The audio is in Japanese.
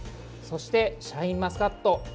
そしてシャインマスカット。